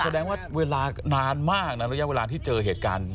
แสดงว่าเวลานานมากนะระยะเวลาที่เจอเหตุการณ์